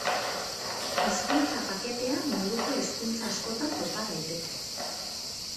Hizkuntza paketea munduko hizkuntza askotan topa daiteke.